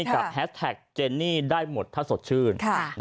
แฮสแท็กเจนนี่ได้หมดถ้าสดชื่น